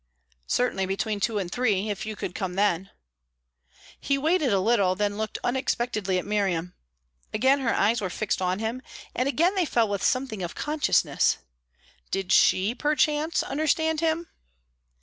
"Certainly between two and three, if you could come then." He waited a little, then looked unexpectedly at Miriam. Again her eyes were fixed on him, and again they fell with something of consciousness. Did she, perchance, understand him?